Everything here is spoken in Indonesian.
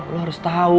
lo harus tau